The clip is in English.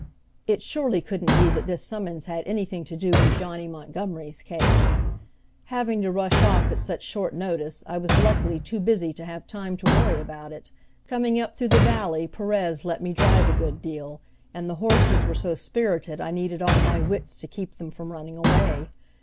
It surely couldn't be that this summons had anything to do with Johnny Montgomery's case. Having to rush off at such short notice I was luckily too busy to have time to worry about it; coming up through the valley Perez let me drive a good deal, and the horses were so spirited I needed all my wits to keep them from running away.